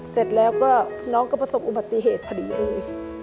เสร็จแล้วก็น้องก็ประสบอุบัติเหตุพอดีเลย